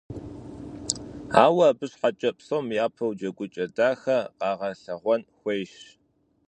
Ауэ абы щхьэкӀэ, псом япэу джэгукӀэ дахэ къагъэлъэгъуэн хуейщ.